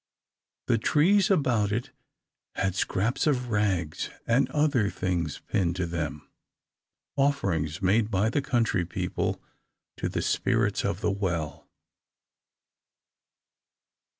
The trees about it had scraps of rags and other things pinned to them, offerings made by the country people to the spirits of the well.